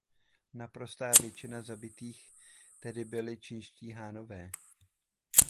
Naprostá většina zabitých tedy byli čínští Hanové.